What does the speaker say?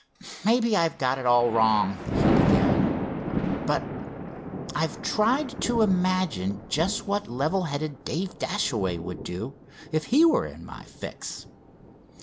"Maybe I've got it all wrong," he began, "but I've tried to imagine just what level headed Dave Dashaway would do if he were in my fix.